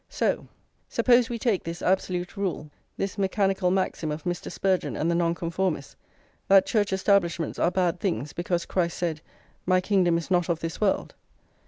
So, suppose we take this absolute rule, this mechanical maxim of Mr. Spurgeon and the Nonconformists, that Church establishments are bad things because Christ said: "My kingdom is not of this world."